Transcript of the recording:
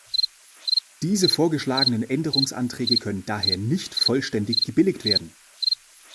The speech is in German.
Diese vorgeschlagenen Änderungsanträge können daher nicht vollständig gebilligt werden.